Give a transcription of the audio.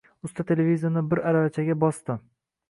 Usta televizorni bir aravachaga bosdi.